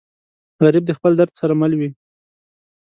غریب د خپل درد سره مل وي